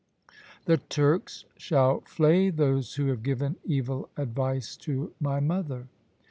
The Turks shall flay those who have given evil advice to my mother.'